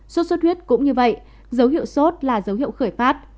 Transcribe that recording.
sốt xuất huyết cũng như vậy dấu hiệu sốt là dấu hiệu khởi phát